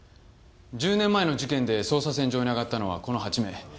１０年前の事件で捜査線上に上がったのはこの８名。